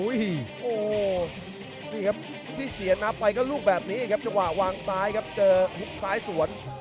โอ้โหนี่ครับที่เสียนับไปก็ลูกแบบนี้ครับจังหวะวางซ้ายครับเจอฮุกซ้ายสวน